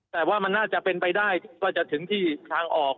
แต่ว่ามันน่าจะเป็นไปได้ว่าจะถึงที่ทางออก